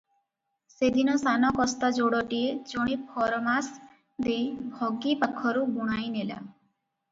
ସେଦିନ ସାନ କସ୍ତା ଯୋଡ଼ଟିଏ ଜଣେ ଫରମାସ ଦେଇ ଭଗି ପାଖରୁ ବୁଣାଇ ନେଲା ।